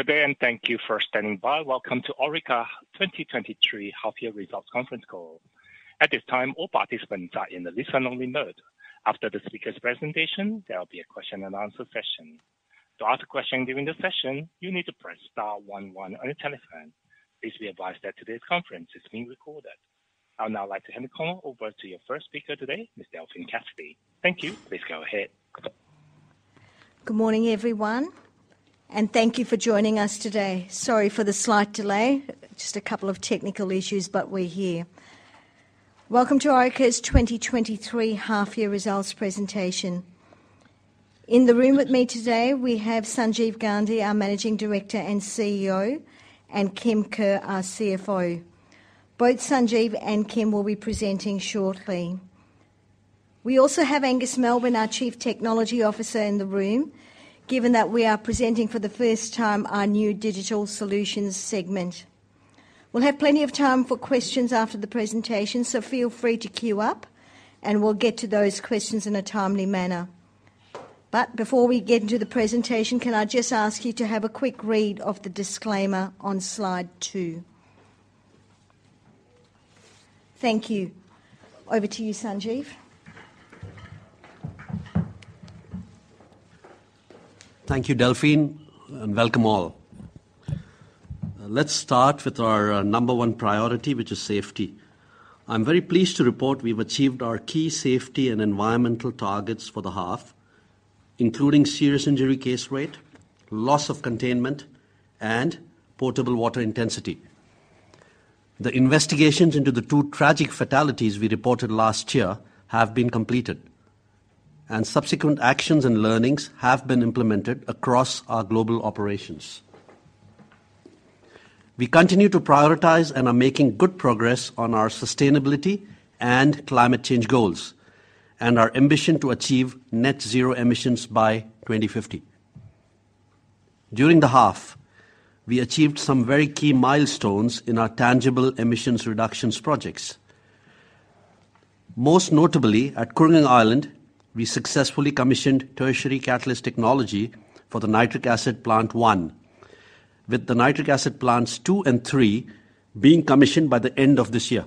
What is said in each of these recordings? Good day, thank you for standing by. Welcome to Orica 2023 half year results conference call. At this time, all participants are in the listen only mode. After the speaker's presentation, there will be a question and answer session. To ask a question during the session, you need to press star one one on your telephone. Please be advised that today's conference is being recorded. I would now like to hand the call over to your first speaker today, Ms. Delphine Cassidy. Thank you. Please go ahead. Good morning, everyone, thank you for joining us today. Sorry for the slight delay. Just a couple of technical issues, we're here. Welcome to Orica's 2023 half year results presentation. In the room with me today, we have Sanjeev Gandhi, our Managing Director and CEO, and Kim Kerr, our CFO. Both Sanjeev and Kim will be presenting shortly. We also have Angus Melbourne, our Chief Technology Officer, in the room, given that we are presenting for the first time our new Digital Solutions segment. We'll have plenty of time for questions after the presentation, feel free to queue up, we'll get to those questions in a timely manner. Before we get into the presentation, can I just ask you to have a quick read of the disclaimer on slide two. Thank you. Over to you, Sanjeev. Thank you, Delphine. Welcome all. Let's start with our number 1 priority, which is safety. I'm very pleased to report we've achieved our key safety and environmental targets for the half, including serious injury case rate, loss of containment, and potable water intensity. The investigations into the two tragic fatalities we reported last year have been completed, and subsequent actions and learnings have been implemented across our global operations. We continue to prioritize and are making good progress on our sustainability and climate change goals, and our ambition to achieve net zero emissions by 2050. During the half, we achieved some very key milestones in our tangible emissions reductions projects. Most notably, at Kooragang Island, we successfully commissioned tertiary catalyst abatement technology for the nitric acid plant one, with the nitric acid plants two and three being commissioned by the end of this year.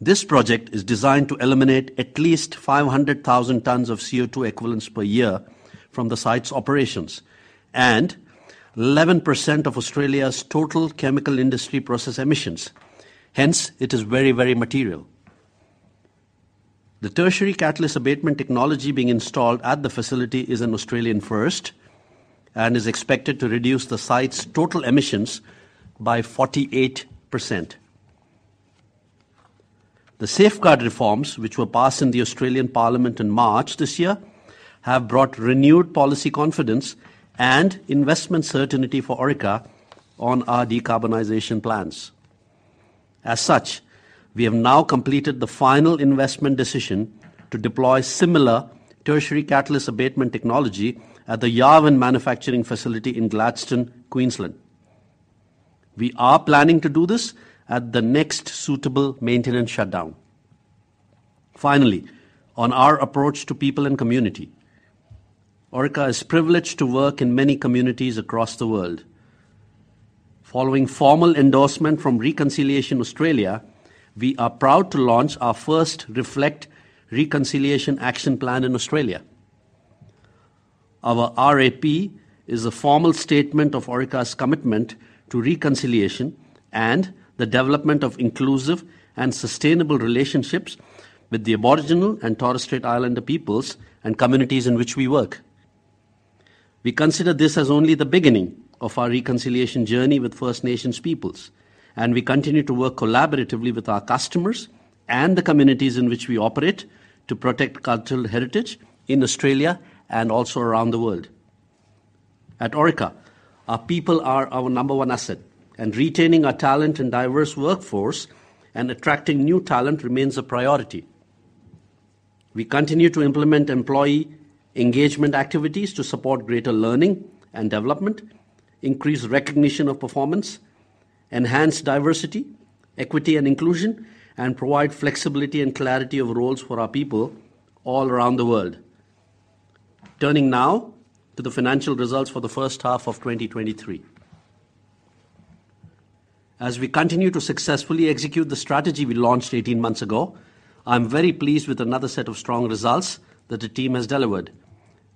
This project is designed to eliminate at least 500,000 tons of CO2 equivalents per year from the site's operations and 11% of Australia's total chemical industry process emissions. It is very, very material. The tertiary catalyst abatement technology being installed at the facility is an Australian first and is expected to reduce the site's total emissions by 48%. The Safeguard reforms which were passed in the Australian Parliament in March this year have brought renewed policy confidence and investment certainty for Orica on our decarbonization plans. We have now completed the final investment decision to deploy similar tertiary catalyst abatement technology at the Yarwun manufacturing facility in Gladstone, Queensland. We are planning to do this at the next suitable maintenance shutdown. On our approach to people and community. Orica is privileged to work in many communities across the world. Following formal endorsement from Reconciliation Australia, we are proud to launch our first Reflect Reconciliation Action Plan in Australia. Our RAP is a formal statement of Orica's commitment to reconciliation and the development of inclusive and sustainable relationships with the Aboriginal and Torres Strait Islander peoples and communities in which we work. We consider this as only the beginning of our reconciliation journey with First Nations peoples. We continue to work collaboratively with our customers and the communities in which we operate to protect cultural heritage in Australia and also around the world. At Orica, our people are our number one asset. Retaining our talent and diverse workforce and attracting new talent remains a priority. We continue to implement employee engagement activities to support greater learning and development, increase recognition of performance, enhance diversity, equity, and inclusion, and provide flexibility and clarity of roles for our people all around the world. Turning now to the financial results for the first half of 2023. As we continue to successfully execute the strategy we launched 18 months ago, I'm very pleased with another set of strong results that the team has delivered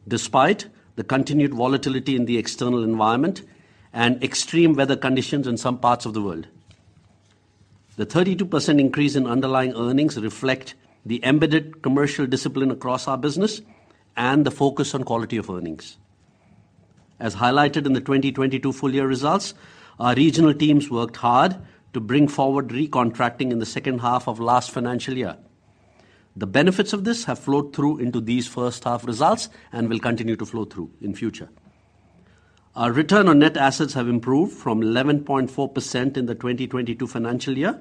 despite the continued volatility in the external environment and extreme weather conditions in some parts of the world. The 32% increase in underlying earnings reflect the embedded commercial discipline across our business and the focus on quality of earnings. As highlighted in the 2022 full year results, our regional teams worked hard to bring forward recontracting in the second half of last financial year. The benefits of this have flowed through into these first half results and will continue to flow through in future. Our return on net assets have improved from 11.4% in the 2022 financial year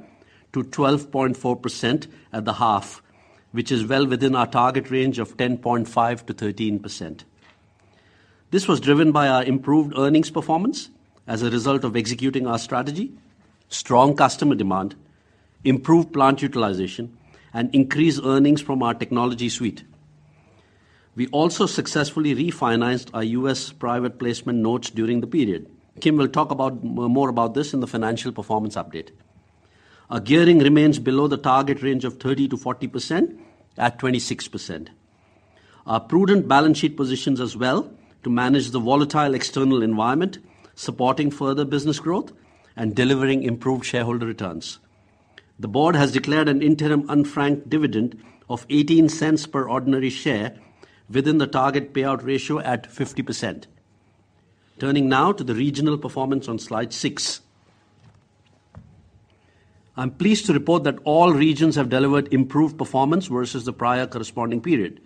to 12.4% at the half, which is well within our target range of 10.5%-13%. This was driven by our improved earnings performance as a result of executing our strategy, strong customer demand Improve plant utilization and increase earnings from our technology suite. We also successfully refinanced our US private placement notes during the period. Kim will talk about more about this in the financial performance update. Our gearing remains below the target range of 30%-40% at 26%. Our prudent balance sheet positions as well to manage the volatile external environment, supporting further business growth and delivering improved shareholder returns. The board has declared an interim unfranked dividend of 0.18 per ordinary share within the target payout ratio at 50%. Turning now to the regional performance on slide six. I'm pleased to report that all regions have delivered improved performance versus the prior corresponding period,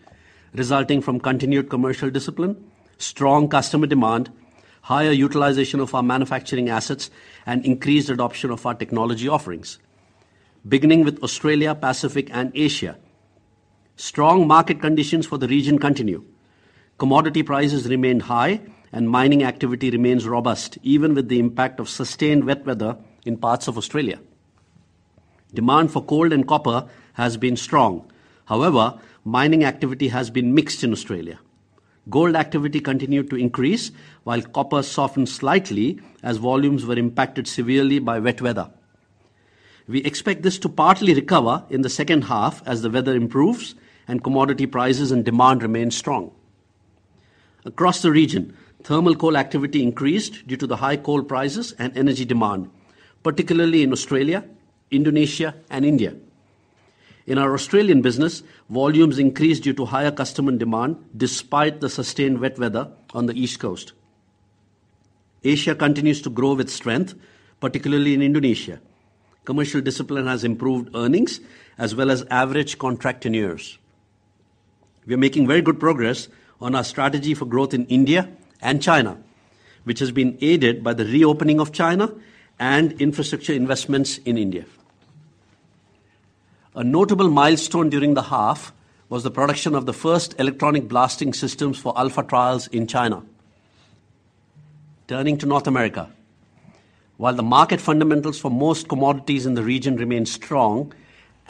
resulting from continued commercial discipline, strong customer demand, higher utilization of our manufacturing assets, and increased adoption of our technology offerings. Beginning with Australia, Pacific, and Asia. Strong market conditions for the region continue. Commodity prices remain high and mining activity remains robust, even with the impact of sustained wet weather in parts of Australia. Demand for coal and copper has been strong. Mining activity has been mixed in Australia. Gold activity continued to increase while copper softened slightly as volumes were impacted severely by wet weather. We expect this to partly recover in the second half as the weather improves and commodity prices and demand remain strong. Across the region, thermal coal activity increased due to the high coal prices and energy demand, particularly in Australia, Indonesia, and India. In our Australian business, volumes increased due to higher customer demand despite the sustained wet weather on the East Coast. Asia continues to grow with strength, particularly in Indonesia. Commercial discipline has improved earnings as well as average contract tenures. We are making very good progress on our strategy for growth in India and China, which has been aided by the reopening of China and infrastructure investments in India. A notable milestone during the half was the production of the first Electronic Blasting Systems for alpha trials in China. Turning to North America. While the market fundamentals for most commodities in the region remain strong,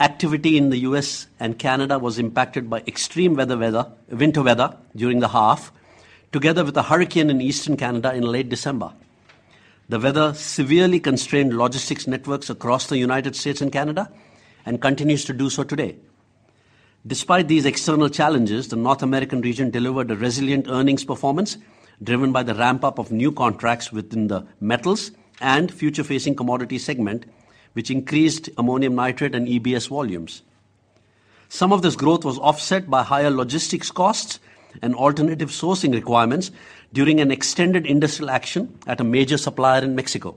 activity in the U.S. and Canada was impacted by extreme winter weather during the half, together with a hurricane in Eastern Canada in late December. The weather severely constrained logistics networks across the U.S. and Canada, and continues to do so today. Despite these external challenges, the North American region delivered a resilient earnings performance driven by the ramp-up of new contracts within the metals and future-facing commodity segment, which increased ammonium nitrate and EBS volumes. Some of this growth was offset by higher logistics costs and alternative sourcing requirements during an extended industrial action at a major supplier in Mexico.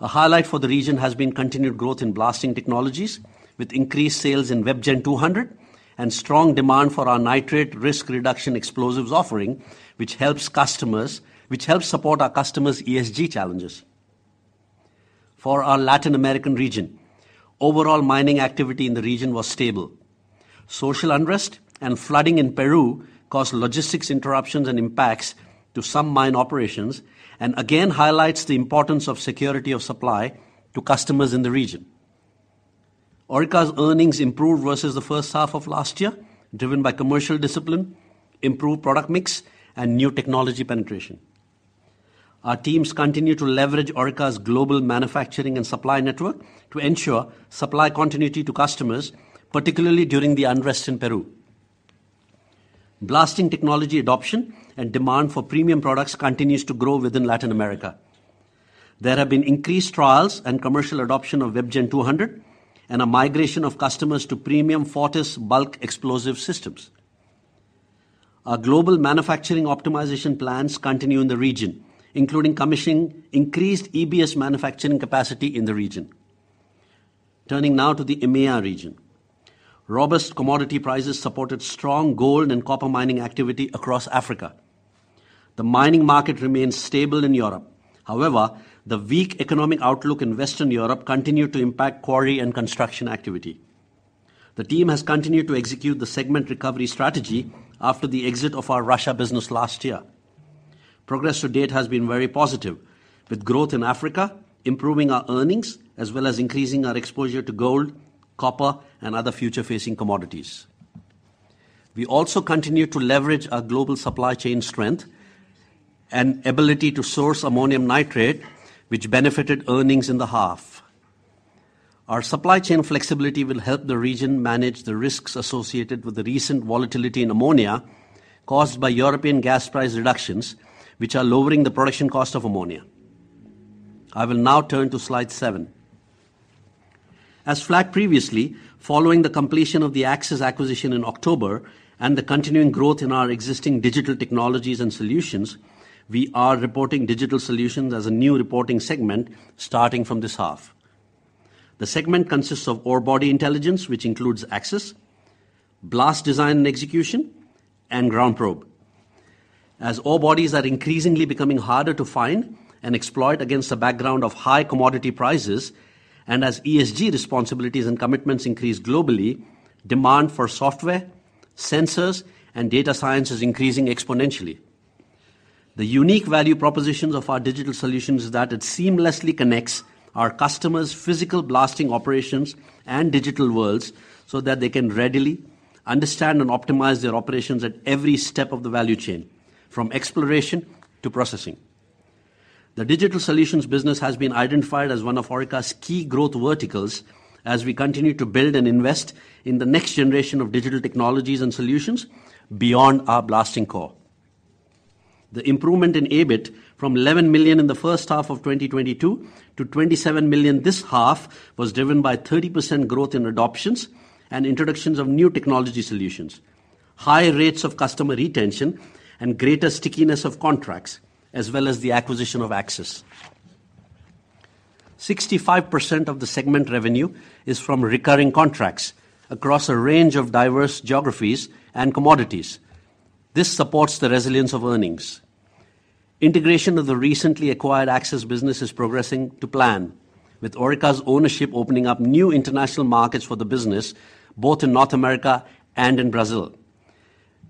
A highlight for the region has been continued growth in blasting technologies with increased sales in WebGen 200 and strong demand for our Nitrate Risk Reduction explosives offering, which helps support our customers' ESG challenges. For our Latin American region, overall mining activity in the region was stable. Social unrest and flooding in Peru caused logistics interruptions and impacts to some mine operations and again highlights the importance of security of supply to customers in the region. Orica's earnings improved versus the first half of last year, driven by commercial discipline, improved product mix, and new technology penetration. Our teams continue to leverage Orica's global manufacturing and supply network to ensure supply continuity to customers, particularly during the unrest in Peru. Blasting technology adoption and demand for premium products continues to grow within Latin America. There have been increased trials and commercial adoption of WebGen 200 and a migration of customers to premium Fortis bulk explosive systems. Our global manufacturing optimization plans continue in the region, including commissioning increased EBS manufacturing capacity in the region. Turning now to the EMEA region. Robust commodity prices supported strong gold and copper mining activity across Africa. The mining market remains stable in Europe. However, the weak economic outlook in Western Europe continued to impact quarry and construction activity. The team has continued to execute the segment recovery strategy after the exit of our Russia business last year. Progress to date has been very positive, with growth in Africa improving our earnings, as well as increasing our exposure to gold, copper, and other future-facing commodities. We also continue to leverage our global supply chain strength and ability to source ammonium nitrate, which benefited earnings in the half. Our supply chain flexibility will help the region manage the risks associated with the recent volatility in ammonia caused by European gas price reductions, which are lowering the production cost of ammonia. I will now turn to slide seven. As flagged previously, following the completion of the Axis acquisition in October and the continuing growth in our existing digital technologies and solutions, we are reporting Digital Solutions as a new reporting segment starting from this half. The segment consists of Orebody Intelligence, which includes Axis, Blast Design and Execution, and GroundProbe. As ore bodies are increasingly becoming harder to find and exploit against the background of high commodity prices and as ESG responsibilities and commitments increase globally, demand for software, sensors, and data science is increasing exponentially. The unique value propositions of our Digital Solutions is that it seamlessly connects our customers' physical blasting operations and digital worlds so that they can readily understand and optimize their operations at every step of the value chain, from exploration to processing. The Digital Solutions business has been identified as one of Orica's key growth verticals as we continue to build and invest in the next generation of digital technologies and solutions beyond our blasting core. The improvement in EBIT from 11 million in the first half of 2022 to 27 million this half was driven by 30% growth in adoptions and introductions of new technology solutions, high rates of customer retention, and greater stickiness of contracts, as well as the acquisition of Axis. 65% of the segment revenue is from recurring contracts across a range of diverse geographies and commodities. This supports the resilience of earnings. Integration of the recently acquired Axis business is progressing to plan, with Orica's ownership opening up new international markets for the business, both in North America and in Brazil.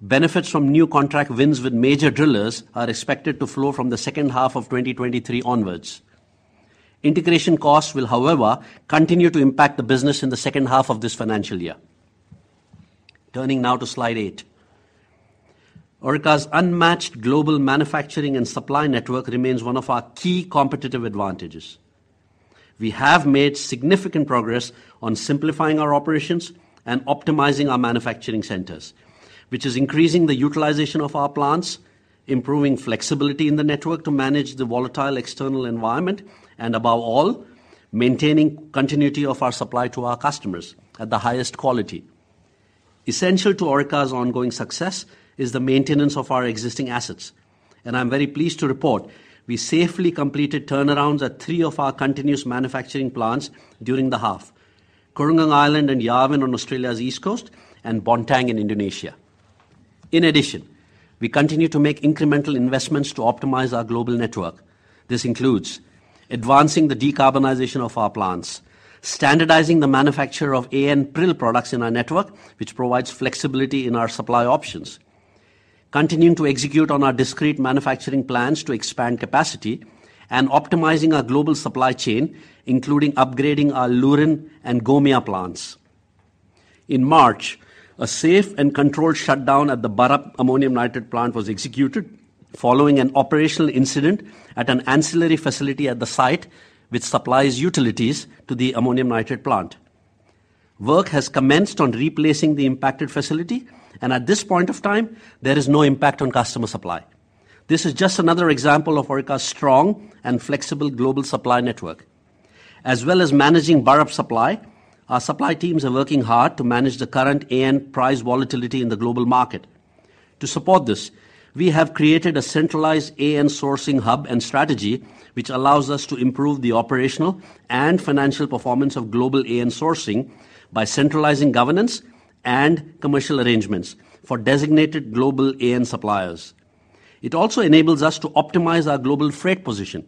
Benefits from new contract wins with major drillers are expected to flow from the second half of 2023 onwards. Integration costs will, however, continue to impact the business in the second half of this financial year. Turning now to slide eight. Orica's unmatched global manufacturing and supply network remains one of our key competitive advantages. We have made significant progress on simplifying our operations and optimizing our manufacturing centers, which is increasing the utilization of our plants, improving flexibility in the network to manage the volatile external environment, and above all, maintaining continuity of our supply to our customers at the highest quality. Essential to Orica's ongoing success is the maintenance of our existing assets. I'm very pleased to report we safely completed turnarounds at three of our continuous manufacturing plants during the half: Kooragang Island and Yarwun on Australia's East Coast and Bontang in Indonesia. In addition, we continue to make incremental investments to optimize our global network. This includes advancing the decarbonization of our plants, standardizing the manufacture of AN prill products in our network, which provides flexibility in our supply options, continuing to execute on our discrete manufacturing plans to expand capacity, and optimizing our global supply chain, including upgrading our Lurin and Gomia plants. In March, a safe and controlled shutdown at the Burrup ammonium nitrate plant was executed following an operational incident at an ancillary facility at the site which supplies utilities to the ammonium nitrate plant. Work has commenced on replacing the impacted facility, and at this point of time, there is no impact on customer supply. This is just another example of Orica's strong and flexible global supply network. As well as managing Burrup supply, our supply teams are working hard to manage the current AN price volatility in the global market. To support this, we have created a centralized AN sourcing hub and strategy which allows us to improve the operational and financial performance of global AN sourcing by centralizing governance and commercial arrangements for designated global AN suppliers. It also enables us to optimize our global freight position,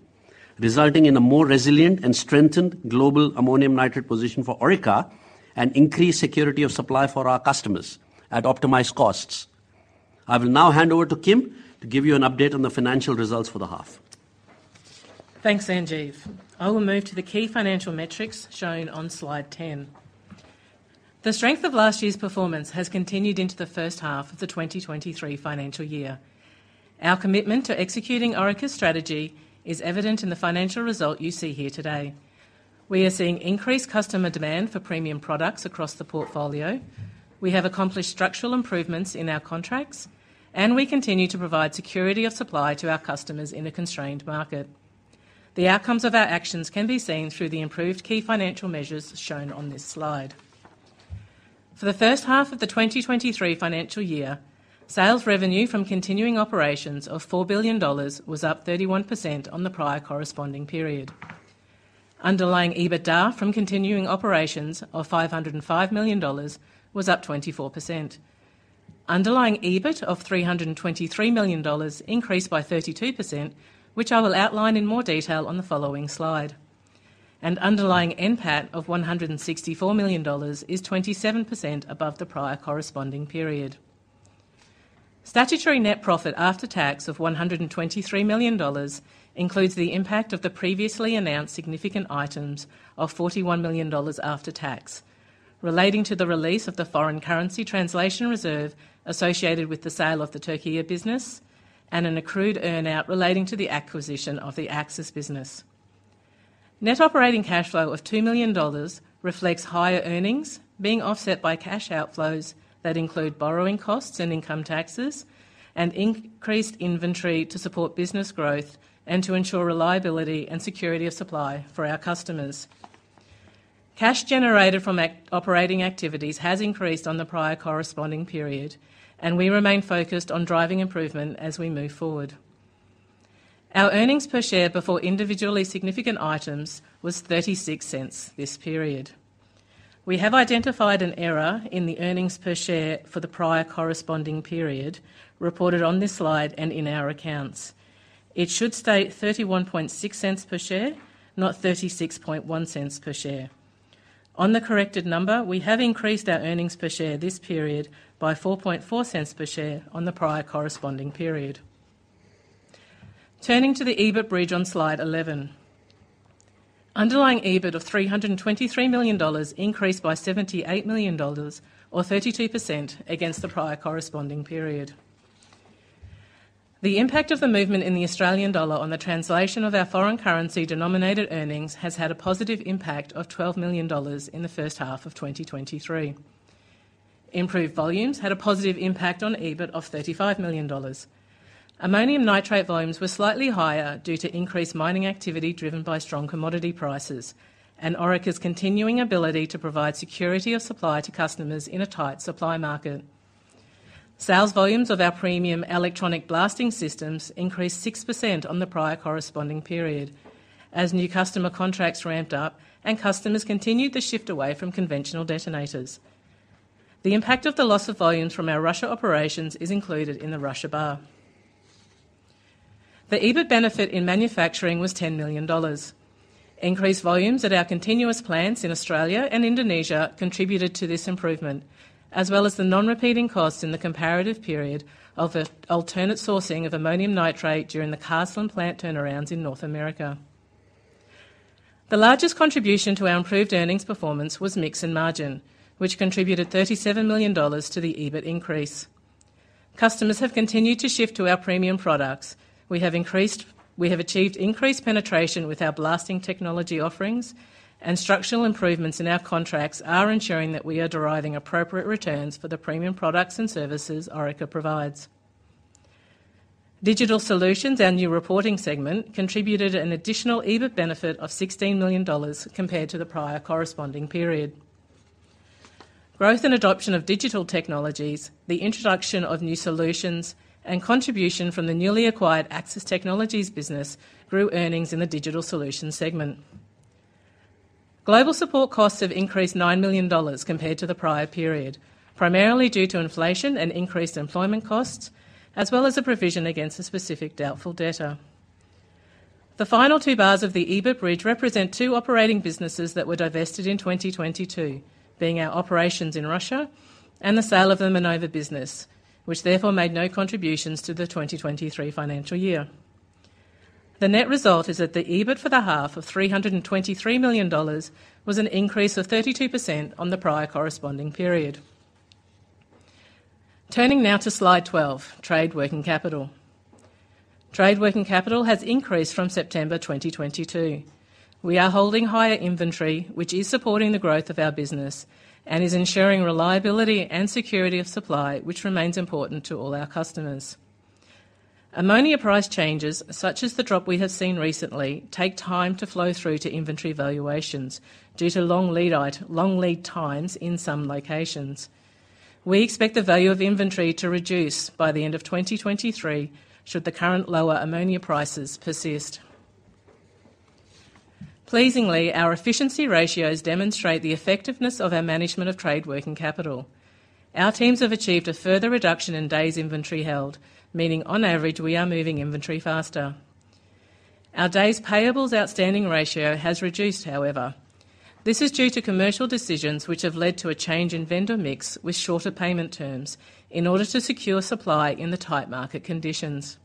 resulting in a more resilient and strengthened global ammonium nitrate position for Orica and increased security of supply for our customers at optimized costs. I will now hand over to Kim to give you an update on the financial results for the half. Thanks, Sanjeev. I will move to the key financial metrics shown on slide 10. The strength of last year's performance has continued into the first half of the 2023 financial year. Our commitment to executing Orica's strategy is evident in the financial result you see here today. We are seeing increased customer demand for premium products across the portfolio. We have accomplished structural improvements in our contracts, and we continue to provide security of supply to our customers in a constrained market. The outcomes of our actions can be seen through the improved key financial measures shown on this slide. For the first half of the 2023 financial year, sales revenue from continuing operations of 4 billion dollars was up 31% on the prior corresponding period. Underlying EBITDA from continuing operations of 505 million dollars was up 24%. Underlying EBIT of 323 million dollars increased by 32%, which I will outline in more detail on the following slide. Underlying NPAT of 164 million dollars is 27% above the prior corresponding period. Statutory net profit after tax of 123 million dollars includes the impact of the previously announced significant items of 41 million dollars after tax, relating to the release of the foreign currency translation reserve associated with the sale of the Türkiye business and an accrued earn-out relating to the acquisition of the Axis business. Net operating cash flow of 2 million dollars reflects higher earnings being offset by cash outflows that include borrowing costs and income taxes and increased inventory to support business growth and to ensure reliability and security of supply for our customers. Cash generated from operating activities has increased on the prior corresponding period. We remain focused on driving improvement as we move forward. Our earnings per share before individually significant items was 0.36 this period. We have identified an error in the earnings per share for the prior corresponding period reported on this slide and in our accounts. It should state 0.316 per share, not 0.361 per share. On the corrected number, we have increased our earnings per share this period by 0.044 per share on the prior corresponding period. Turning to the EBIT bridge on Slide 11. Underlying EBIT of AUD 323 million increased by AUD 78 million or 32% against the prior corresponding period. The impact of the movement in the Australian dollar on the translation of our foreign currency denominated earnings has had a positive impact of 12 million dollars in the first half of 2023. Improved volumes had a positive impact on EBIT of 35 million dollars. Ammonium nitrate volumes were slightly higher due to increased mining activity driven by strong commodity prices and Orica's continuing ability to provide security of supply to customers in a tight supply market. Sales volumes of our premium Electronic Blasting Systems increased 6% on the prior corresponding period as new customer contracts ramped up and customers continued to shift away from conventional detonators. The impact of the loss of volumes from our Russia operations is included in the Russia bar. The EBIT benefit in manufacturing was 10 million dollars. Increased volumes at our continuous plants in Australia and Indonesia contributed to this improvement, as well as the non-repeating costs in the comparative period of the alternate sourcing of ammonium nitrate during the Carseland plant turnarounds in North America. The largest contribution to our improved earnings performance was mix and margin, which contributed AUD 37 million to the EBIT increase. Customers have continued to shift to our premium products. We have achieved increased penetration with our blasting technology offerings, and structural improvements in our contracts are ensuring that we are deriving appropriate returns for the premium products and services Orica provides. Digital Solutions, our new reporting segment, contributed an additional EBIT benefit of 16 million dollars compared to the prior corresponding period. Growth and adoption of digital technologies, the introduction of new solutions, and contribution from the newly acquired Axis Mining Technology business grew earnings in the Digital Solutions segment. Global support costs have increased 9 million dollars compared to the prior period, primarily due to inflation and increased employment costs, as well as a provision against a specific doubtful debtor. The final two bars of the EBIT bridge represent two operating businesses that were divested in 2022, being our operations in Russia and the sale of the Minova business, which therefore made no contributions to the 2023 financial year. The net result is that the EBIT for the half of AUD 323 million was an increase of 32% on the prior corresponding period. Turning now to Slide 12, trade working capital. Trade working capital has increased from September 2022. We are holding higher inventory, which is supporting the growth of our business and is ensuring reliability and security of supply, which remains important to all our customers. Ammonia price changes, such as the drop we have seen recently, take time to flow through to inventory valuations due to long lead times in some locations. We expect the value of inventory to reduce by the end of 2023 should the current lower ammonia prices persist. Pleasingly, our efficiency ratios demonstrate the effectiveness of our management of trade working capital. Our teams have achieved a further reduction in days inventory held, meaning on average we are moving inventory faster. Our days payables outstanding ratio has reduced, however. This is due to commercial decisions which have led to a change in vendor mix with shorter payment terms in order to secure supply in the tight market conditions.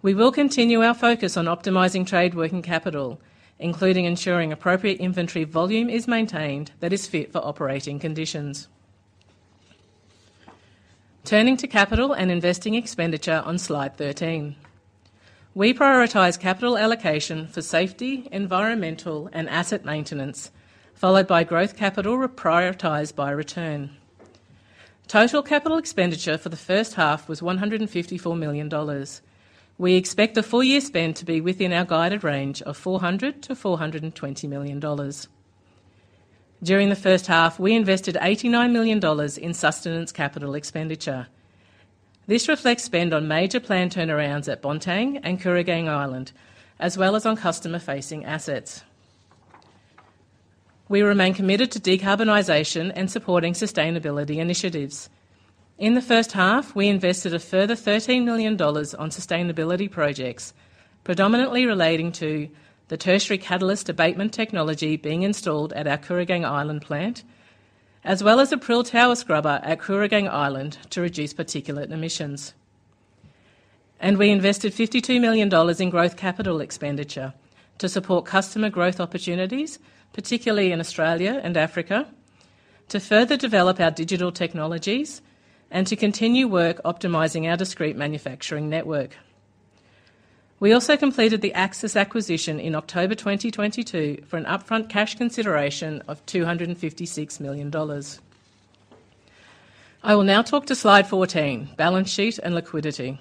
We will continue our focus on optimizing trade working capital, including ensuring appropriate inventory volume is maintained that is fit for operating conditions. Turning to capital and investing expenditure on Slide 13. We prioritize capital allocation for safety, environmental, and asset maintenance, followed by growth capital reprioritized by return. Total capital expenditure for the first half was 154 million dollars. We expect the full year spend to be within our guided range of 400 million-420 million dollars. During the first half, we invested 89 million dollars in sustenance capital expenditure. This reflects spend on major plant turnarounds at Bontang and Kooragang Island, as well as on customer-facing assets. We remain committed to decarbonization and supporting sustainability initiatives. In the first half, we invested a further 13 million dollars on sustainability projects, predominantly relating to the tertiary catalyst abatement technology being installed at our Kooragang Island plant, as well as a prill tower scrubber at Kooragang Island to reduce particulate emissions. We invested 52 million dollars in growth capital expenditure to support customer growth opportunities, particularly in Australia and Africa, to further develop our digital technologies and to continue work optimizing our discrete manufacturing network. We also completed the Axis acquisition in October 2022 for an upfront cash consideration of 256 million dollars. I will now talk to Slide 14, balance sheet and liquidity.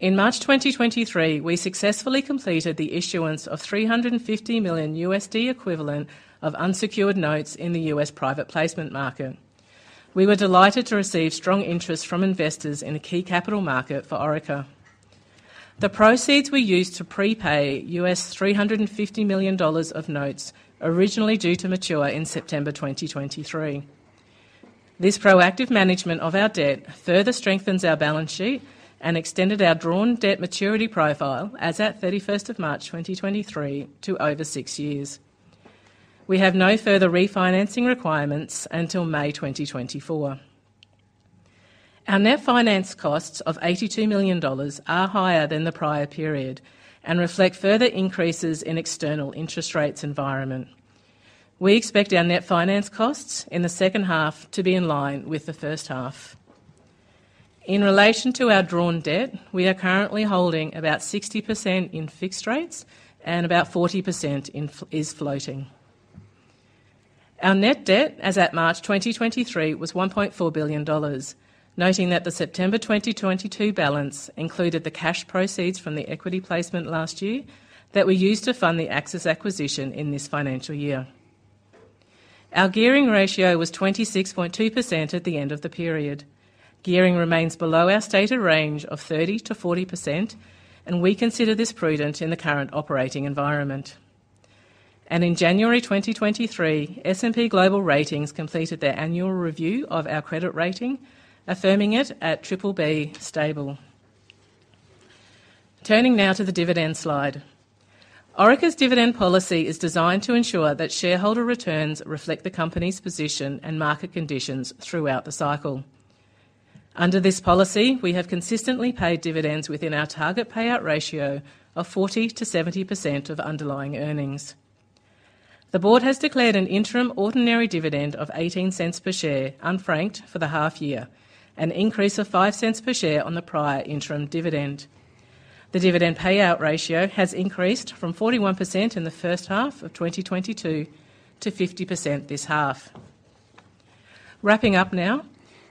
In March 2023, we successfully completed the issuance of $350 million USD equivalent of unsecured notes in the US private placement market. We were delighted to receive strong interest from investors in a key capital market for Orica. The proceeds we used to prepay $350 million of notes originally due to mature in September 2023. This proactive management of our debt further strengthens our balance sheet and extended our drawn debt maturity profile as at 31st of March 2023 to over six years. We have no further refinancing requirements until May 2024. Our net finance costs of $82 million are higher than the prior period and reflect further increases in external interest rates environment. We expect our net finance costs in the second half to be in line with the first half. In relation to our drawn debt, we are currently holding about 60% in fixed rates and about 40% is floating. Our net debt as at March 2023 was 1.4 billion dollars. Noting that the September 2022 balance included the cash proceeds from the equity placement last year that we used to fund the Axis acquisition in this financial year. Our gearing ratio was 26.2% at the end of the period. Gearing remains below our stated range of 30%-40%. We consider this prudent in the current operating environment. In January 2023, S&P Global Ratings completed their annual review of our credit rating, affirming it at BBB stable. Turning now to the dividend slide. Orica's dividend policy is designed to ensure that shareholder returns reflect the company's position and market conditions throughout the cycle. Under this policy, we have consistently paid dividends within our target payout ratio of 40%-70% of underlying earnings. The board has declared an interim ordinary dividend of 0.18 per share, unfranked, for the half year, an increase of 0.05 per share on the prior interim dividend. The dividend payout ratio has increased from 41% in the first half of 2022 to 50% this half. Wrapping up now.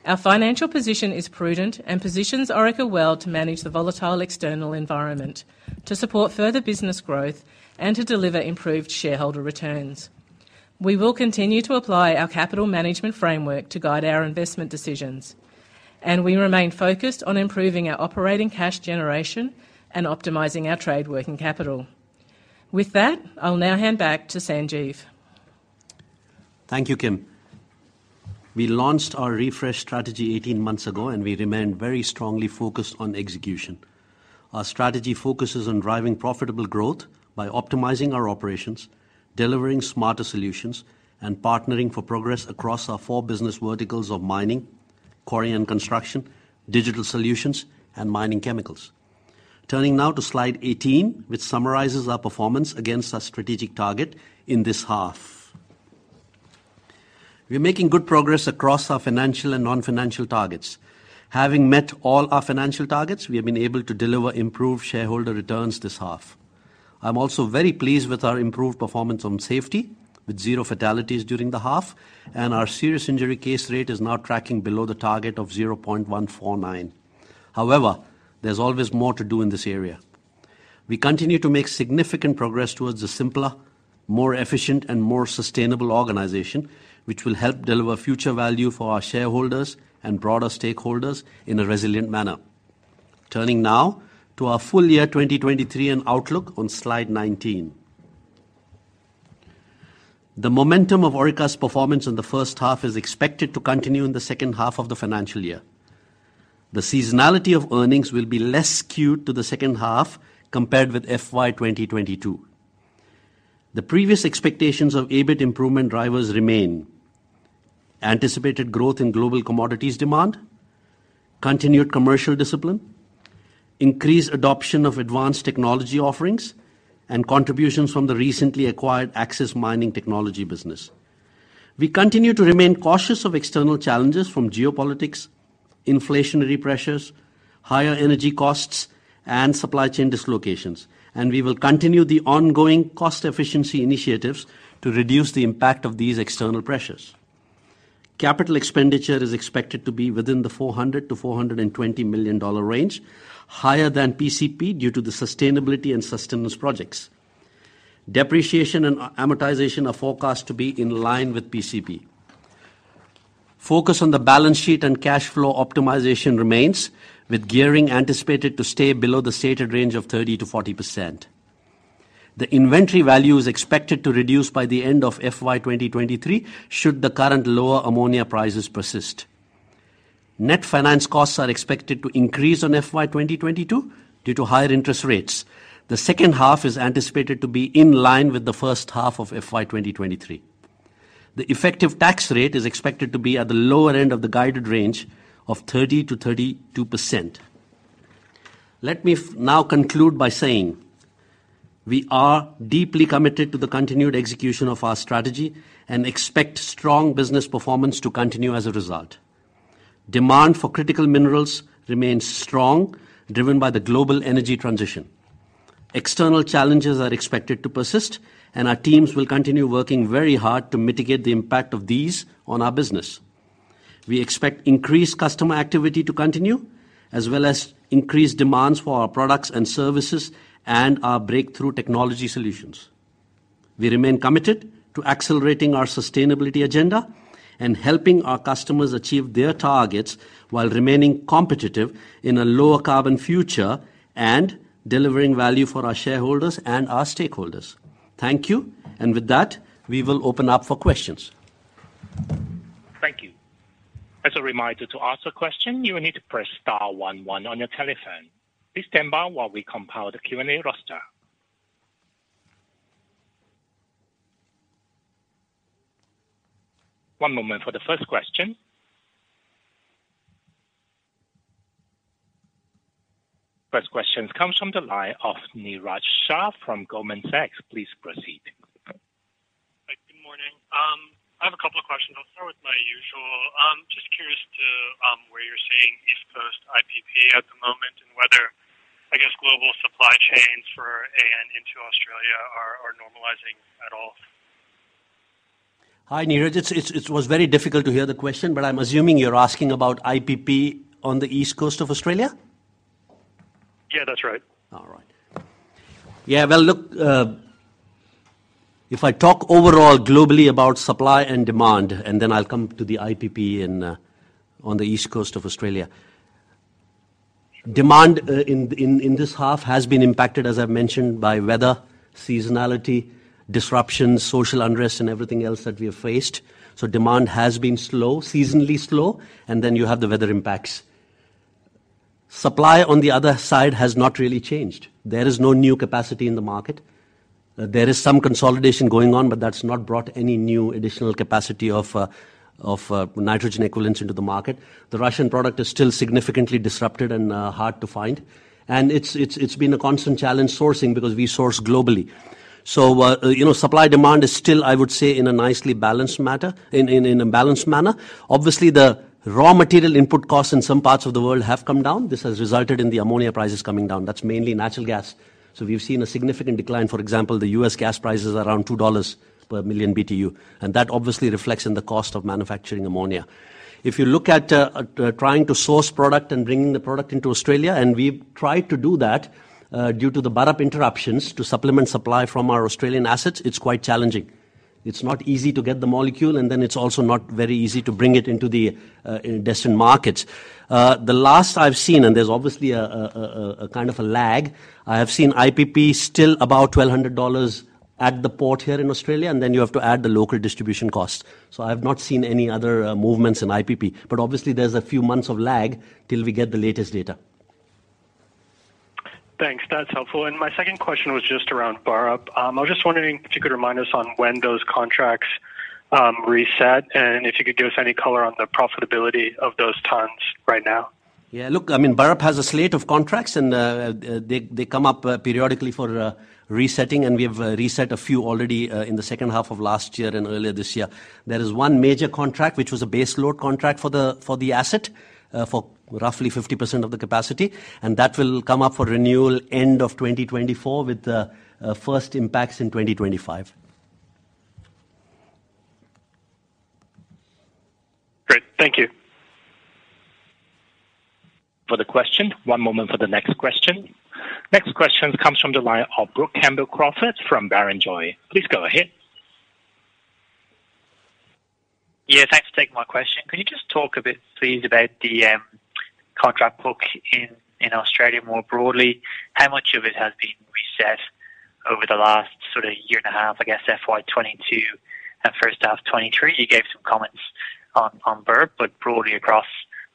Our financial position is prudent and positions Orica well to manage the volatile external environment, to support further business growth and to deliver improved shareholder returns. We will continue to apply our capital management framework to guide our investment decisions, and we remain focused on improving our operating cash generation and optimizing our trade working capital. With that, I'll now hand back to Sanjeev. Thank you, Kim. We launched our refresh strategy 18 months ago, and we remain very strongly focused on execution. Our strategy focuses on driving profitable growth by optimizing our operations, delivering smarter solutions, and partnering for progress across our four business verticals of mining, Quarry and Construction, Digital Solutions, and Mining Chemicals. Turning now to slide 18, which summarizes our performance against our strategic target in this half. We are making good progress across our financial and non-financial targets. Having met all our financial targets, we have been able to deliver improved shareholder returns this half. I'm also very pleased with our improved performance on safety, with zero fatalities during the half, and our serious injury case rate is now tracking below the target of 0.149. However, there's always more to do in this area. We continue to make significant progress towards a simpler, more efficient, and more sustainable organization, which will help deliver future value for our shareholders and broader stakeholders in a resilient manner. Turning now to our full year 2023 and outlook on slide 19. The momentum of Orica's performance in the first half is expected to continue in the second half of the financial year. The seasonality of earnings will be less skewed to the second half compared with FY 2022. The previous expectations of EBIT improvement drivers remain: anticipated growth in global commodities demand, continued commercial discipline, increased adoption of advanced technology offerings, and contributions from the recently acquired Axis Mining Technology business. We continue to remain cautious of external challenges from geopolitics, inflationary pressures, higher energy costs, and supply chain dislocations, and we will continue the ongoing cost efficiency initiatives to reduce the impact of these external pressures. Capital expenditure is expected to be within the 400 million-420 million dollar range, higher than PCP due to the sustainability and systems projects. Depreciation and amortization are forecast to be in line with PCP. Focus on the balance sheet and cash flow optimization remains, with gearing anticipated to stay below the stated range of 30%-40%. The inventory value is expected to reduce by the end of FY 2023 should the current lower ammonia prices persist. Net finance costs are expected to increase on FY 2022 due to higher interest rates. The second half is anticipated to be in line with the first half of FY2023. The effective tax rate is expected to be at the lower end of the guided range of 30%-32%. Let me now conclude by saying we are deeply committed to the continued execution of our strategy and expect strong business performance to continue as a result. Demand for critical minerals remains strong, driven by the global energy transition. External challenges are expected to persist, and our teams will continue working very hard to mitigate the impact of these on our business. We expect increased customer activity to continue, as well as increased demands for our products and services and our breakthrough technology solutions. We remain committed to accelerating our sustainability agenda and helping our customers achieve their targets while remaining competitive in a lower carbon future and delivering value for our shareholders and our stakeholders. Thank you. With that, we will open up for questions. Thank you. As a reminder to ask a question, you will need to press star one one on your telephone. Please stand by while we compile the Q&A roster. One moment for the first question. First question comes from the line of Niraj Shah from Goldman Sachs. Please proceed. Hi, good morning. I have a couple of questions. I'll start with my usual. Just curious to where you're seeing East Coast IPP at the moment and whether, I guess global supply chains for AN into Australia are normalizing at all? Hi, Niraj. It's, it was very difficult to hear the question, I'm assuming you're asking about IPP on the East Coast of Australia. Yeah, that's right. All right. Yeah. Well, look, if I talk overall globally about supply and demand, and then I'll come to the IPP in on the East Coast of Australia. Demand in this half has been impacted, as I've mentioned, by weather, seasonality, disruptions, social unrest and everything else that we have faced. Demand has been slow, seasonally slow, and then you have the weather impacts. Supply on the other side has not really changed. There is no new capacity in the market. There is some consolidation going on, but that's not brought any new additional capacity of nitrogen equivalents into the market. The Russian product is still significantly disrupted and hard to find. It's been a constant challenge sourcing because we source globally. You know, supply demand is still, I would say, in a nicely balanced matter, in a balanced manner. Obviously, the raw material input costs in some parts of the world have come down. This has resulted in the ammonia prices coming down. That's mainly natural gas. We've seen a significant decline. For example, the US gas price is around $2 per million BTU, and that obviously reflects in the cost of manufacturing ammonia. If you look at trying to source product and bringing the product into Australia, and we've tried to do that, due to the Burrup interruptions to supplement supply from our Australian assets, it's quite challenging. It's not easy to get the molecule, and then it's also not very easy to bring it into the destined markets. The last I've seen, and there's obviously a kind of a lag, I have seen IPP still about 1,200 dollars at the port here in Australia, and then you have to add the local distribution cost. I've not seen any other movements in IPP, but obviously there's a few months of lag till we get the latest data. Thanks. That's helpful. My second question was just around Burrup. I was just wondering if you could remind us on when those contracts reset, and if you could give us any color on the profitability of those tons right now. Look, I mean, Burrup has a slate of contracts, and they come up periodically for resetting, and we have reset a few already in the second half of last year and earlier this year. There is one major contract, which was a base load contract for the asset, for roughly 50% of the capacity, and that will come up for renewal end of 2024 with the first impacts in 2025. Great. Thank you. For the question. One moment for the next question. Next question comes from the line of Brook Campbell-Crawford from Barrenjoey. Please go ahead. Yeah, thanks for taking my question. Can you just talk a bit, please, about the contract book in Australia more broadly? How much of it has been reset over the last sort of year and a half, I guess FY22 and first half 2023? You gave some comments on Burrup, broadly across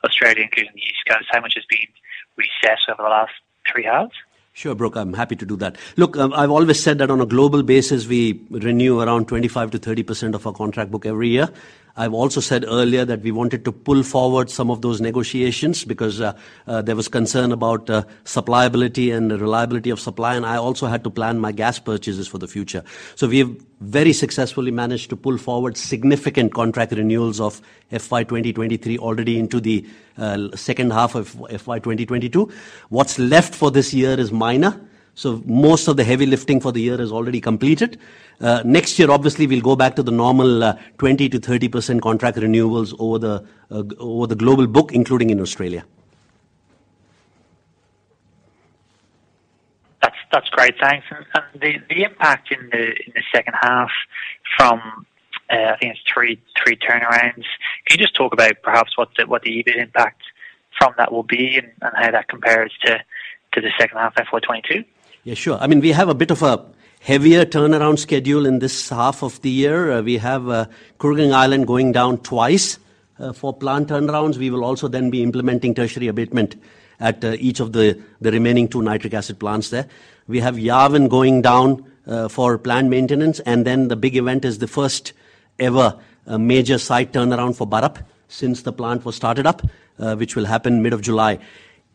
Australia, including the East Coast, how much has been reset over the last three halves? Sure, Brooke. I'm happy to do that. Look, I've always said that on a global basis, we renew around 25%-30% of our contract book every year. I've also said earlier that we wanted to pull forward some of those negotiations because there was concern about supply ability and reliability of supply, and I also had to plan my gas purchases for the future. We've very successfully managed to pull forward significant contract renewals of FY 2023 already into the second half of FY 2022. What's left for this year is minor, so most of the heavy lifting for the year is already completed. Next year, obviously we'll go back to the normal 20%-30% contract renewals over the global book, including in Australia. That's great. Thanks. The impact in the second half from, I think it's three turnarounds. Can you just talk about perhaps what the EBIT impact from that will be and how that compares to the second half FY 2022? Yeah, sure. I mean, we have a bit of a heavier turnaround schedule in this half of the year. We have Kooragang Island going down twice for plant turnarounds. We will also then be implementing tertiary abatement at each of the remaining two nitric acid plants there. We have Yarwun going down for plant maintenance, and then the big event is the first-ever major site turnaround for Burrup since the plant was started up, which will happen mid of July.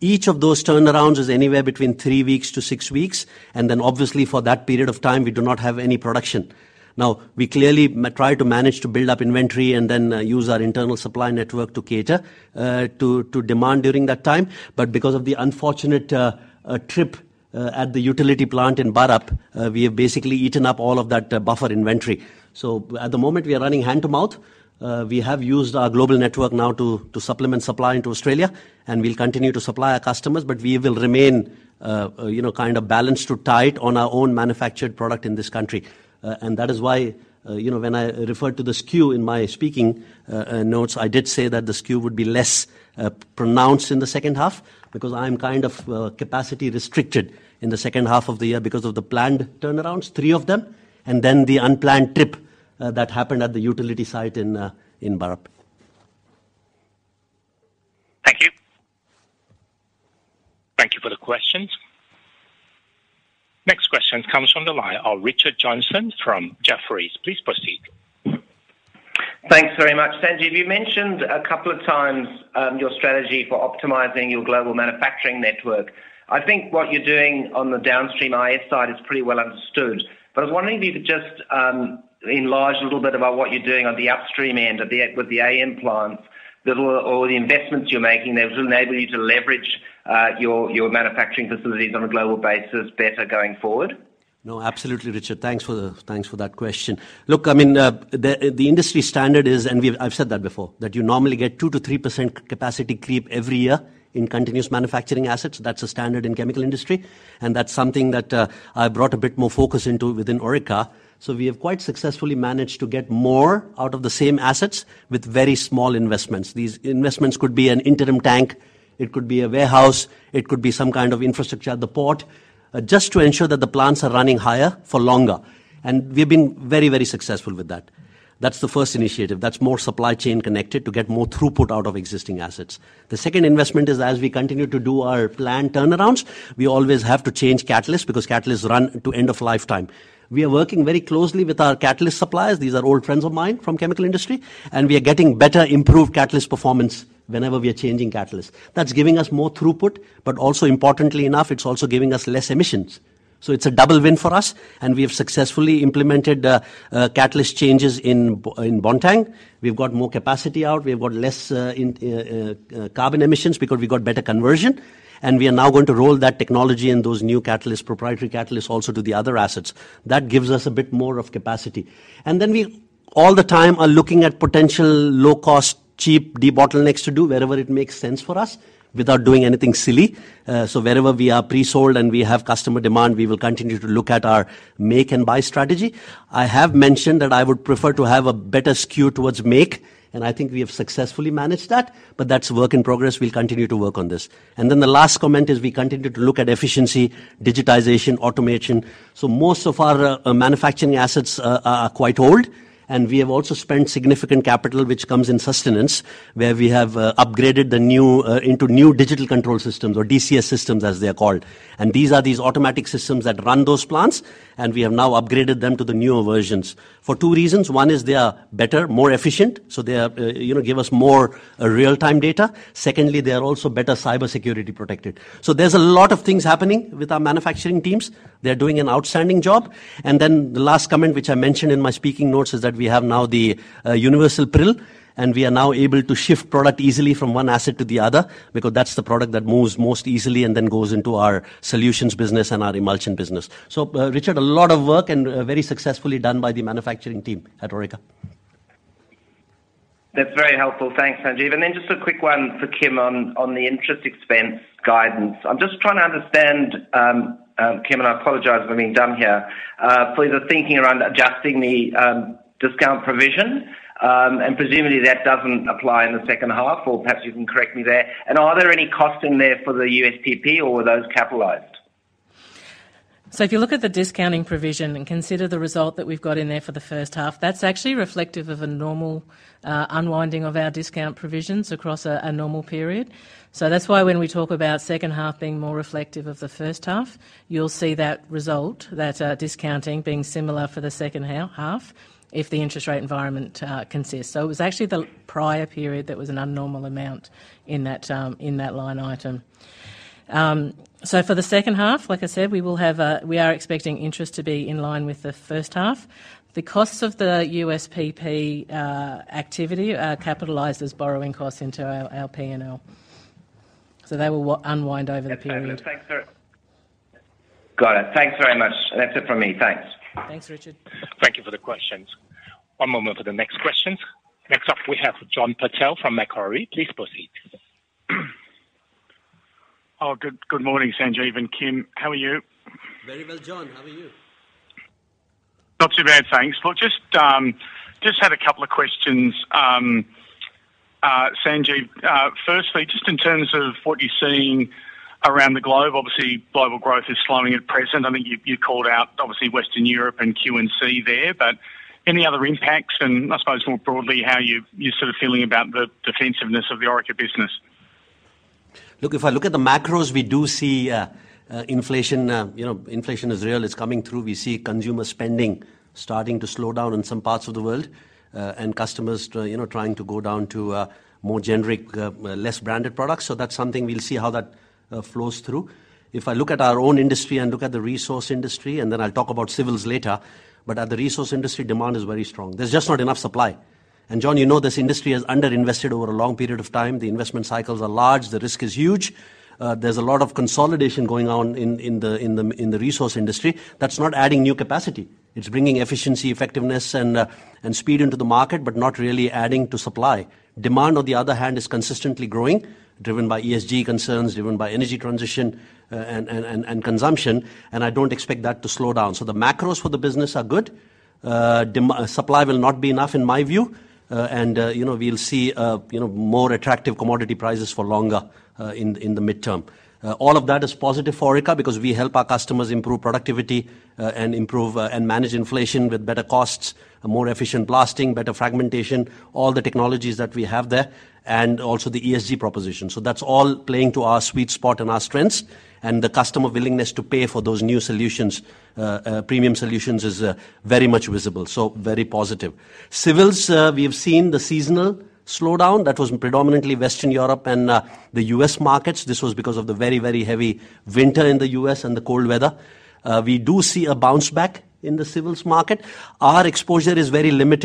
Each of those turnarounds is anywhere between three weeks to six weeks, and then obviously for that period of time, we do not have any production. Now, we clearly try to manage to build up inventory and then use our internal supply network to cater to demand during that time. Because of the unfortunate trip at the utility plant in Burrup, we have basically eaten up all of that buffer inventory. At the moment, we are running hand to mouth. We have used our global network now to supplement supply into Australia, and we'll continue to supply our customers, but we will remain, you know, kind of balanced to tight on our own manufactured product in this country. That is why, you know, when I referred to the skew in my speaking notes, I did say that the skew would be less pronounced in the second half because I'm kind of capacity restricted in the second half of the year because of the planned turnarounds, three of them, and then the unplanned trip that happened at the utility site in Burrup. Thank you. Thank you for the questions. Next question comes from the line of Richard Johnson from Jefferies. Please proceed. Thanks very much. Sanjeev, you mentioned a couple of times, your strategy for optimizing your global manufacturing network. I think what you're doing on the downstream IS side is pretty well understood, but I was wondering if you could just enlarge a little bit about what you're doing on the upstream end of the with the AN plant. The or the investments you're making there to enable you to leverage your manufacturing facilities on a global basis better going forward. No, absolutely Richard. Thanks for that question. I mean, the industry standard is, and I've said that before, that you normally get 2%-3% capacity creep every year in continuous manufacturing assets. That's a standard in chemical industry, and that's something that I brought a bit more focus into within Orica. We have quite successfully managed to get more out of the same assets with very small investments. These investments could be an interim tank, it could be a warehouse, it could be some kind of infrastructure at the port, just to ensure that the plants are running higher for longer. We've been very, very successful with that. That's the first initiative. That's more supply chain connected to get more throughput out of existing assets. The second investment is as we continue to do our planned turnarounds, we always have to change catalysts because catalysts run to end of lifetime. We are working very closely with our catalyst suppliers, these are old friends of mine from chemical industry, we are getting better improved catalyst performance whenever we are changing catalysts. That's giving us more throughput, but also importantly enough, it's also giving us less emissions. It's a double win for us, we have successfully implemented catalyst changes in Bontang. We've got more capacity out. We've got less carbon emissions because we got better conversion, we are now going to roll that technology and those new catalyst, proprietary catalysts also to the other assets. That gives us a bit more of capacity. We all the time are looking at potential low-cost, cheap debottlenecks to do wherever it makes sense for us without doing anything silly. Wherever we are pre-sold and we have customer demand, we will continue to look at our make and buy strategy. I have mentioned that I would prefer to have a better skew towards make, and I think we have successfully managed that, but that's work in progress. We'll continue to work on this. The last comment is we continue to look at efficiency, digitization, automation. Most of our manufacturing assets are quite old, and we have also spent significant capital which comes in sustenance, where we have upgraded the new into new Digital Control Systems or DCS systems as they are called. These are these automatic systems that run those plants, and we have now upgraded them to the newer versions. For two reasons, one is they are better, more efficient, so they are, you know, give us more real-time data. Secondly, they are also better cybersecurity protected. There's a lot of things happening with our manufacturing teams. They're doing an outstanding job. Then the last comment, which I mentioned in my speaking notes, is that we have now the universal prill, and we are now able to shift product easily from one asset to the other because that's the product that moves most easily and then goes into our solutions business and our emulsion business. Richard, a lot of work and very successfully done by the manufacturing team at Orica. That's very helpful. Thanks, Sanjeev. Just a quick one for Kim on the interest expense guidance. I'm just trying to understand, Kim, I apologize for being dumb here. So you're thinking around adjusting the discount provision, presumably that doesn't apply in the second half, or perhaps you can correct me there. Are there any costs in there for the USPP or were those capitalized? If you look at the discounting provision and consider the result that we've got in there for the first half, that's actually reflective of a normal unwinding of our discount provisions across a normal period. That's why when we talk about second half being more reflective of the first half, you'll see that result, that discounting being similar for the second half if the interest rate environment consists. It was actually the prior period that was an unnormal amount in that line item. For the second half, like I said, we will have. We are expecting interest to be in line with the first half. The costs of the USPP activity are capitalized as borrowing costs into our P&L. They will unwind over the period. That's excellent. Got it. Thanks very much. That's it from me. Thanks. Thanks, Richard. Thank you for the questions. One moment for the next questions. Next up we have John Purtell from Macquarie. Please proceed. Good morning, Sanjeev and Kim. How are you? Very well, John. How are you? Not too bad, thanks. Well just had a couple of questions, Sanjeev. Firstly, just in terms of what you're seeing around the globe, obviously global growth is slowing at present. I think you called out obviously Western Europe and Q&C there, but any other impacts? I suppose more broadly, how you're sort of feeling about the defensiveness of the Orica business? Look, if I look at the macros, we do see inflation, you know, inflation is real. It's coming through. We see consumer spending starting to slow down in some parts of the world, and customers, you know, trying to go down to more generic, less branded products. That's something we'll see how that flows through. If I look at our own industry and look at the resource industry, and then I'll talk about civils later, but at the resource industry, demand is very strong. There's just not enough supply. John, you know, this industry has underinvested over a long period of time. The investment cycles are large, the risk is huge. There's a lot of consolidation going on in the resource industry that's not adding new capacity. It's bringing efficiency, effectiveness and and speed into the market but not really adding to supply. Demand, on the other hand, is consistently growing, driven by ESG concerns, driven by energy transition, and consumption, and I don't expect that to slow down. The macros for the business are good. Supply will not be enough in my view. You know, we'll see, you know, more attractive commodity prices for longer, in the midterm. All of that is positive for Orica because we help our customers improve productivity, and improve, and manage inflation with better costs, a more efficient blasting, better fragmentation, all the technologies that we have there, and also the ESG proposition. That's all playing to our sweet spot and our strengths and the customer willingness to pay for those new solutions. Premium solutions is very much visible, so very positive. Civils, we have seen the seasonal slowdown that was predominantly Western Europe and the U.S. markets. This was because of the very, very heavy winter in the U.S. and the cold weather. We do see a bounce back in the civils market. Our exposure is mainly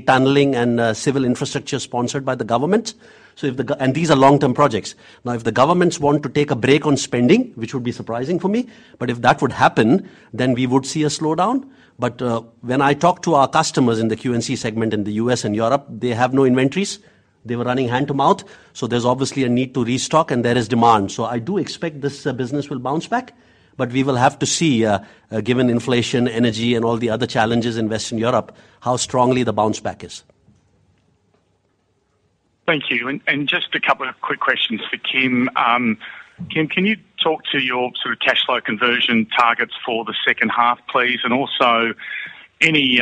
tunneling and civil infrastructure sponsored by the government. These are long-term projects. Now, if the governments want to take a break on spending, which would be surprising for me, but if that would happen, then we would see a slowdown. When I talk to our customers in the Q&C segment in the U.S. and Europe, they have no inventories. They were running hand to mouth. There's obviously a need to restock, and there is demand. I do expect this business will bounce back, but we will have to see, given inflation, energy, and all the other challenges in Western Europe, how strongly the bounce back is. Thank you. Just a couple of quick questions for Kim. Kim, can you talk to your sort of cash flow conversion targets for the second half, please? Also any,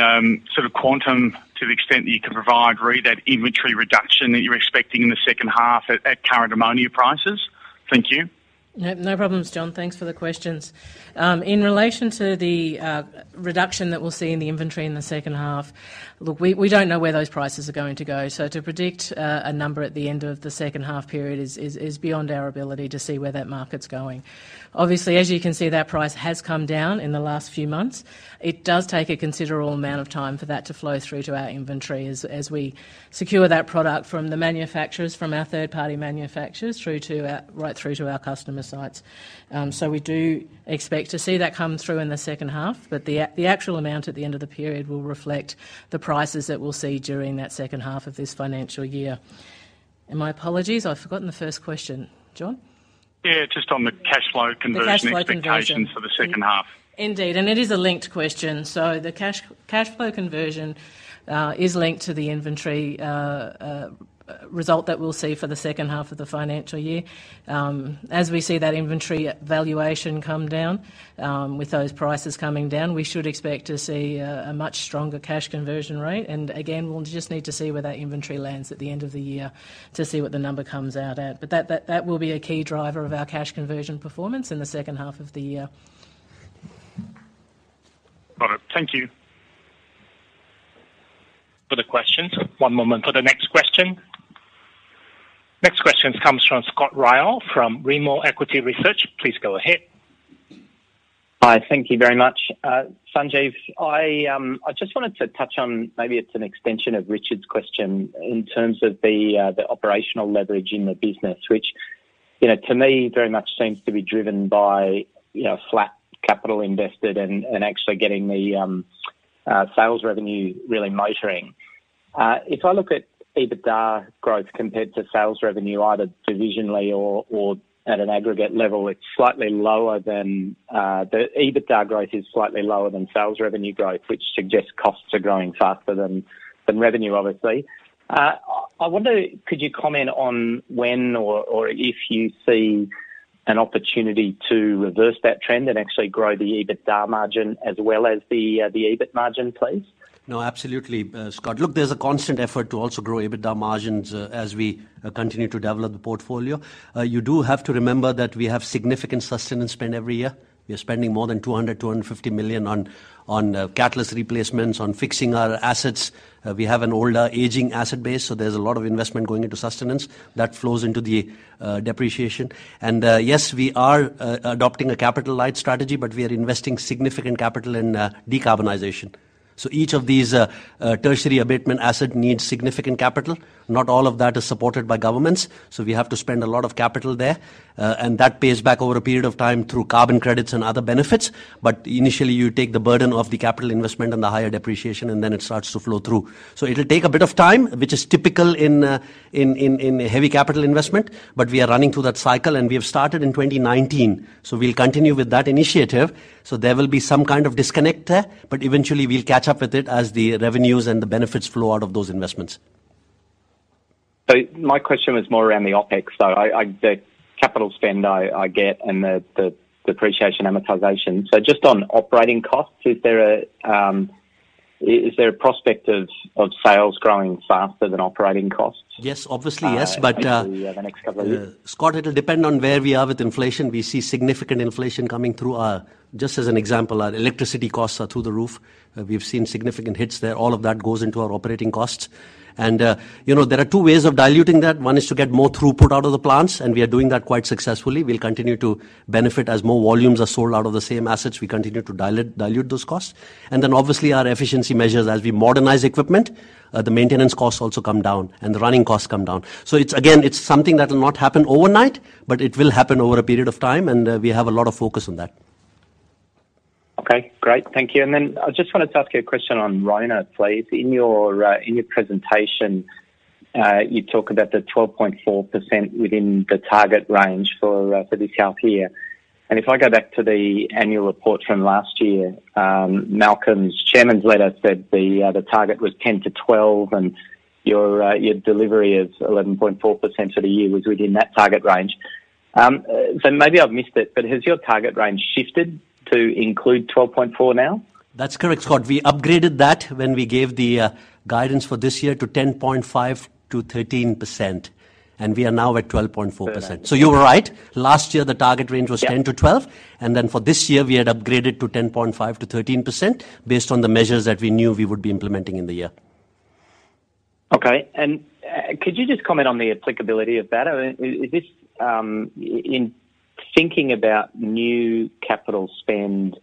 sort of quantum to the extent that you can provide re: that inventory reduction that you're expecting in the second half at current ammonia prices? Thank you. No, no problems, John. Thanks for the questions. In relation to the reduction that we'll see in the inventory in the second half, look, we don't know where those prices are going to go. To predict a number at the end of the second half period is beyond our ability to see where that market's going. Obviously, as you can see, that price has come down in the last few months. It does take a considerable amount of time for that to flow through to our inventory as we secure that product from the manufacturers, from our third-party manufacturers right through to our customer sites. We do expect to see that come through in the second half, but the actual amount at the end of the period will reflect the prices that we'll see during that second half of this financial year. My apologies, I've forgotten the first question. John? Yeah, just on the cash flow conversion. The cash flow conversion expectations for the second half. Indeed. It is a linked question. The cash flow conversion is linked to the inventory result that we'll see for the second half of the financial year. As we see that inventory valuation come down with those prices coming down, we should expect to see a much stronger cash conversion rate. Again, we'll just need to see where that inventory lands at the end of the year to see what the number comes out at. That will be a key driver of our cash conversion performance in the second half of the year. Got it. Thank you. Further questions. One moment for the next question. Next question comes from Scott Ryall from Rimor Equity Research. Please go ahead. Hi. Thank you very much. Sanjeev, I just wanted to touch on, maybe it's an extension of Richard's question in terms of the operational leverage in the business, which, you know, to me very much seems to be driven by, you know, flat capital invested and actually getting the sales revenue really motoring. If I look at EBITDA growth compared to sales revenue, either divisionally or at an aggregate level, it's slightly lower than EBITDA growth is slightly lower than sales revenue growth, which suggests costs are growing faster than revenue, obviously. I wonder, could you comment on when or if you see an opportunity to reverse that trend and actually grow the EBITDA margin as well as the EBIT margin, please? No, absolutely, Scott. Look, there's a constant effort to also grow EBITDA margins as we continue to develop the portfolio. You do have to remember that we have significant sustenance spend every year. We are spending more than 200 million-250 million on catalyst replacements, on fixing our assets. We have an older aging asset base, so there's a lot of investment going into sustenance that flows into the depreciation. Yes, we are adopting a capital light strategy, but we are investing significant capital in decarbonization. Each of these tertiary abatement asset needs significant capital. Not all of that is supported by governments. We have to spend a lot of capital there, and that pays back over a period of time through carbon credits and other benefits. Initially, you take the burden of the capital investment and the higher depreciation, then it starts to flow through. It'll take a bit of time, which is typical in heavy capital investment, we are running through that cycle and we have started in 2019. We'll continue with that initiative. There will be some kind of disconnect there, eventually we'll catch up with it as the revenues and the benefits flow out of those investments. My question was more around the OpEx. The capital spend I get and the depreciation amortization. Just on operating costs, is there a prospect of sales growing faster than operating costs? Yes. Obviously, yes. Hopefully over the next couple of years. Scott, it'll depend on where we are with inflation. We see significant inflation coming through. Just as an example, our electricity costs are through the roof. We've seen significant hits there. All of that goes into our operating costs. You know, there are two ways of diluting that. One is to get more throughput out of the plants, and we are doing that quite successfully. We'll continue to benefit as more volumes are sold out of the same assets. We continue to dilute those costs. Obviously, our efficiency measures as we modernize equipment, the maintenance costs also come down and the running costs come down. It's again, it's something that will not happen overnight, but it will happen over a period of time, and we have a lot of focus on that. Okay, great. Thank you. Then I just wanted to ask you a question on RONA, please. In your presentation, you talk about the 12.4% within the target range for this half year. If I go back to the annual report from last year, Malcolm's chairman's letter said the target was 10-12, and your delivery of 11.4% for the year was within that target range. Maybe I've missed it, but has your target range shifted to include 12.4% now? That's correct, Scott. We upgraded that when we gave the guidance for this year to 10.5%-13%. We are now at 12.4%. You were right. Last year, the target range was. Yeah. 10%-12%, for this year, we had upgraded to 10.5%-13% based on the measures that we knew we would be implementing in the year. Okay. Could you just comment on the applicability of that? I mean, is this, in thinking about new capital spend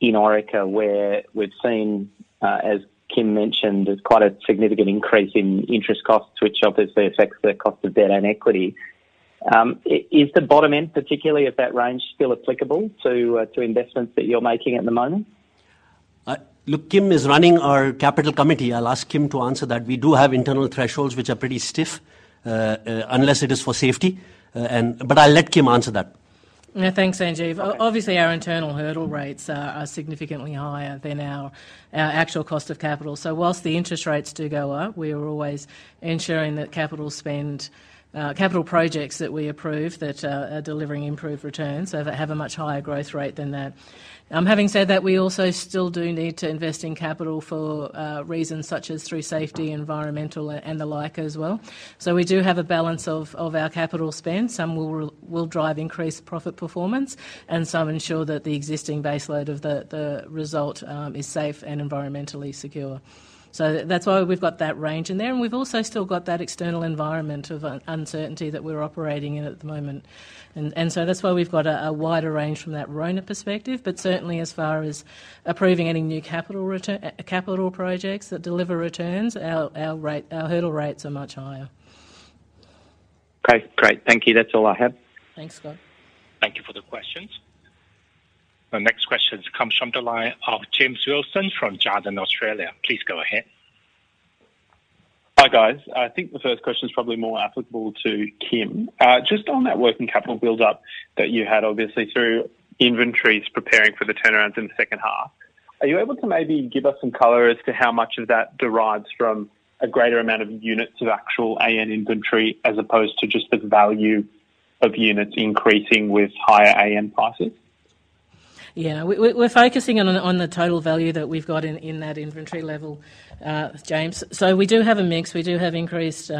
in Orica, where we've seen, as Kim mentioned, there's quite a significant increase in interest costs to which obviously affects the cost of debt and equity. Is the bottom end, particularly of that range, still applicable to investments that you're making at the moment? Look, Kim is running our capital committee. I'll ask Kim to answer that. We do have internal thresholds which are pretty stiff, unless it is for safety. I'll let Kim answer that. Yeah, thanks, Sanjeev. Obviously, our internal hurdle rates are significantly higher than our actual cost of capital. Whilst the interest rates do go up, we are always ensuring that capital spend, capital projects that we approve that are delivering improved returns so that have a much higher growth rate than that. Having said that, we also still do need to invest in capital for reasons such as through safety, environmental, and the like as well. We do have a balance of our capital spend. Some will drive increased profit performance, and some ensure that the existing base load of the result is safe and environmentally secure. That's why we've got that range in there. We've also still got that external environment of uncertainty that we're operating in at the moment. That's why we've got a wider range from that RONA perspective. Certainly, as far as approving any new capital return, capital projects that deliver returns, our hurdle rates are much higher. Okay, great. Thank you. That's all I have. Thanks, Scott. Thank you for the questions. The next question comes from the line of James Wilson from Jarden Australia. Please go ahead. Hi, guys. I think the first question is probably more applicable to Kim. Just on that working capital build-up that you had obviously through inventories preparing for the turnarounds in the second half, are you able to maybe give us some color as to how much of that derives from a greater amount of units of actual AN inventory as opposed to just the value of units increasing with higher AN prices? Yeah. We're focusing on the total value that we've got in that inventory level, James. We do have a mix. We do have increased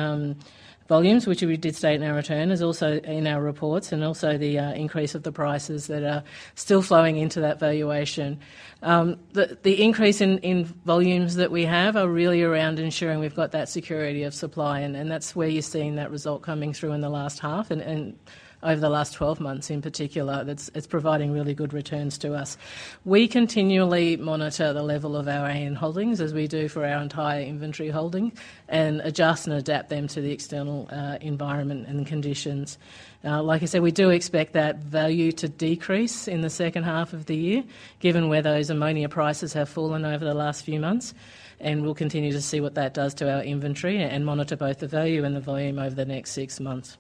volumes, which we did state in our return. There's also in our reports and also the increase of the prices that are still flowing into that valuation. The increase in volumes that we have are really around ensuring we've got that security of supply. That's where you're seeing that result coming through in the last half and over the last 12 months in particular. It's providing really good returns to us. We continually monitor the level of our AN holdings as we do for our entire inventory holding and adjust and adapt them to the external environment and conditions. Like I said, we do expect that value to decrease in the second half of the year, given where those ammonia prices have fallen over the last few months. We'll continue to see what that does to our inventory and monitor both the value and the volume over the next six months.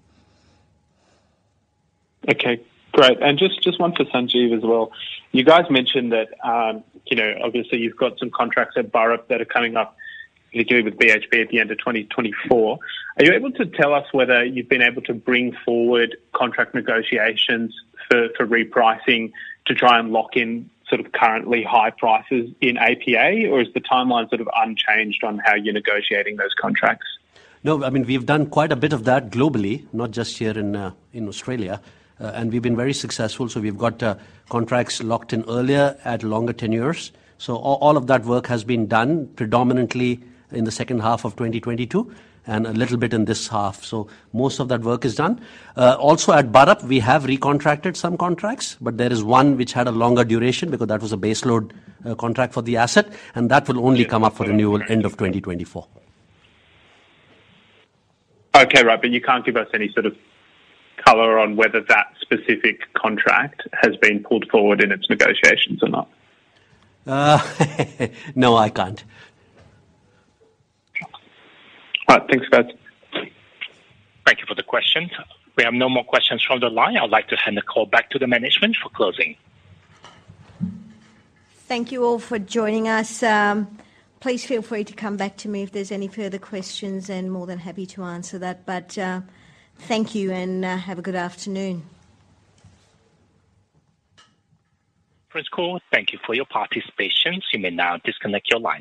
Okay, great. Just one for Sanjeev as well. You guys mentioned that, you know, obviously you've got some contracts at Burrup that are coming up, particularly with BHP at the end of 2024. Are you able to tell us whether you've been able to bring forward contract negotiations for repricing to try and lock in sort of currently high prices in APA? Or is the timeline sort of unchanged on how you're negotiating those contracts? No, I mean, we've done quite a bit of that globally, not just here in Australia. We've been very successful. We've got contracts locked in earlier at longer tenures. All of that work has been done predominantly in the second half of 2022 and a little bit in this half. Most of that work is done. Also at Burrup, we have recontracted some contracts, but there is one which had a longer duration because that was a baseload contract for the asset, and that will only come up for renewal end of 2024. Okay, right. You can't give us any sort of color on whether that specific contract has been pulled forward in its negotiations or not? no, I can't. All right. Thanks, guys. Thank you for the question. We have no more questions from the line. I'd like to hand the call back to the management for closing. Thank you all for joining us. Please feel free to come back to me if there's any further questions, and more than happy to answer that. Thank you and have a good afternoon. Thanks, cool. Thank you for your participations. You may now disconnect your line